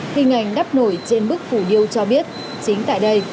hình ảnh đắp nổi trên bức phủ điêu cho biết chính tại đây